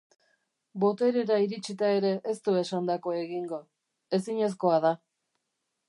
Boterera iritsita ere ez du esandakoa egingo. Ezinezkoa da.